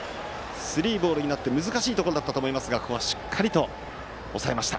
スリーボールになって難しいところでしたがここはしっかりと抑えました。